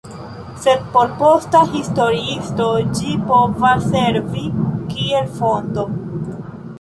Sed por posta historiisto ĝi povas servi kiel fonto.